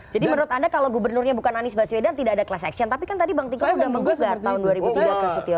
jadi menurut anda kalau gubernurnya bukan anies baswedan tidak ada kelas eksin tapi kan tadi bang tigor sudah menggugat tahun dua ribu tiga ke setioso